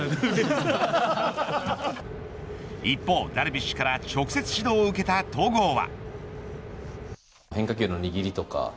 一方、ダルビッシュから直接指導を受けた戸郷は。